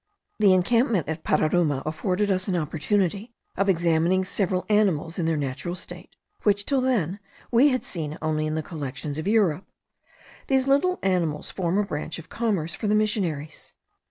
The encampment at Pararuma afforded us an opportunity of examining several animals in their natural state, which, till then, we had seen only in the collections of Europe. These little animals form a branch of commerce for the missionaries.